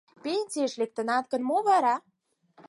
Пенсийыш лектынат гын, мо вара?